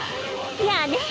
やあねえ。